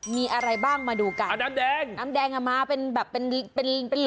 มีอะไรบ้างมาดูกันอันน้ำแดงน้ำแดงมาเป็นโหล